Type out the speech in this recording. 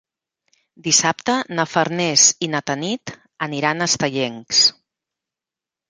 Dissabte na Farners i na Tanit aniran a Estellencs.